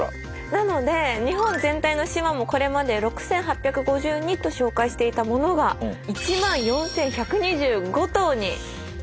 なので日本全体の島もこれまで６，８５２と紹介していたものが１万４，１２５島になりました。